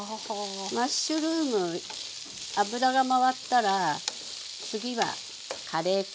マッシュルーム油が回ったら次はカレー粉。